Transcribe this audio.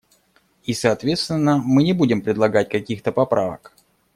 И соответственно мы не будем предлагать каких-то поправок.